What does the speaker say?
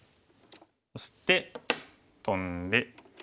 そしてトンで。